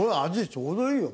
ちょうどいいよ。